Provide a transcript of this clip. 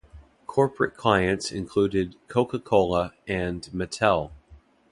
Corporate clients included Coca-Cola and Mattel.